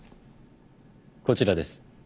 こちらです。